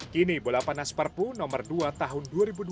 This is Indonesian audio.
kini bola panas parpu nomor dua tahun